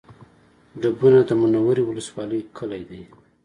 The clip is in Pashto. ډبونه د منورې ولسوالۍ کلی دی